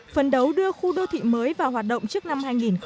phần đấu đưa khu đô thị mới vào hoạt động trước năm hai nghìn hai mươi